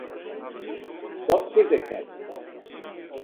Dat sis ik net.